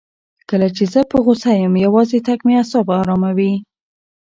کله چې زه په غوسه یم، یوازې تګ مې اعصاب اراموي.